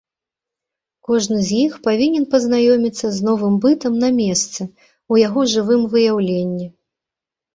Кожны з іх павінен пазнаёміцца з новым бытам на месцы, у яго жывым выяўленні.